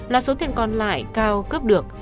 là số tiền còn lại cao cướp được